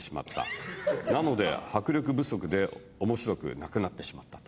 「なので迫力不足で面白くなくなってしまった」と。